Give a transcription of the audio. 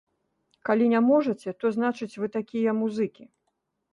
Калі не можаце, то, значыць, вы такія музыкі.